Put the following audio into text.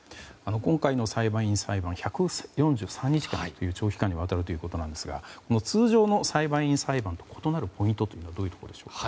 今回の裁判員裁判１４３日間という長期間にわたるということですが通常の裁判員裁判と異なるポイントはどういうところでしょうか。